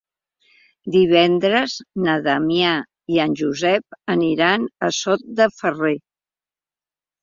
Divendres na Damià i en Josep aniran a Sot de Ferrer.